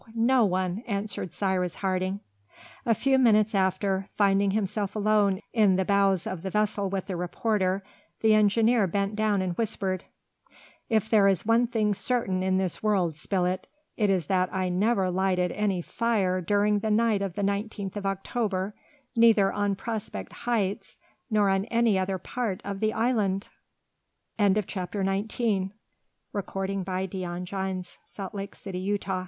no one!" answered Cyrus Harding. A few minutes after, finding himself alone in the bows of the vessel with the reporter, the engineer bent down and whispered, "If there is one thing certain in this world, Spilett, it is that I never lighted any fire during the night of the 19th of October, neither on Prospect Heights nor on any other part of the island!" [Illustration: ANOTHER MYSTERY] CHAPTER XX A Night at Sea Shark Gulf Confidence